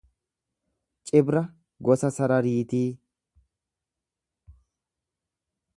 Cibra gosa sarariitii.